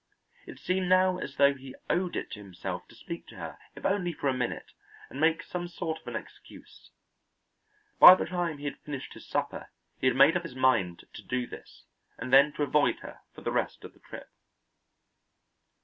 It seemed now as though he owed it to himself to speak to her if only for a minute and make some sort of an excuse. By the time he had finished his supper, he had made up his mind to do this, and then to avoid her for the rest of the trip.